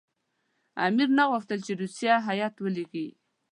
امیر نه غوښتل چې روسیه هېئت ولېږي.